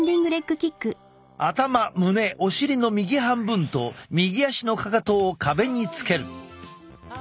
頭胸お尻の右半分と右足のかかとを壁につける。